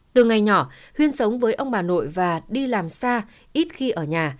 từ ngày nhỏ huyên sống với ông bà nội và đi làm xa ít khi ở nhà